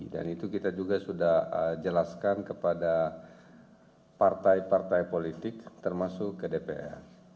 dan itu kita juga sudah jelaskan kepada partai partai politik termasuk kdpr